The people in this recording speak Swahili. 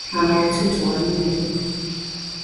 Ana watoto wanne.